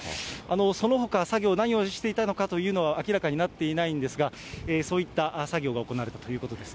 そのほか作業、何をしていたのかというのは明らかになっていないんですが、そういった作業が行われたということです。